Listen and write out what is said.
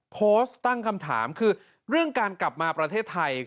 โพสต์ตั้งคำถามคือเรื่องการกลับมาประเทศไทย